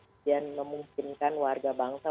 kemudian memungkinkan warga bangsa